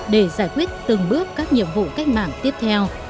để giải quyết từng bước các nhiệm vụ cách mạng tiếp theo